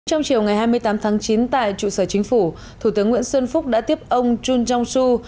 trong chiều ngày hai mươi tám tháng chín tại trụ sở chính phủ thủ tướng nguyễn xuân phúc đã tiếp ông jun jong su